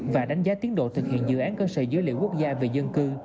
và đánh giá tiến độ thực hiện dự án cơ sở dữ liệu quốc gia về dân cư